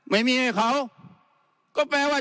ไม่มีให้เขา